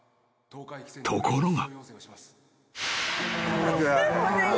ところが］